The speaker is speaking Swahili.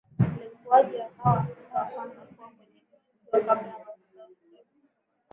Ilikuwaje akawa Afisa wa kwanza kuwa kwenye tukio kabla maafisa wengine